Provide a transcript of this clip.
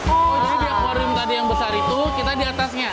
oh jadi di aquarium tadi yang besar itu kita di atasnya